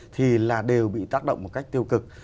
thì đều bị tác động một cách tiêu cực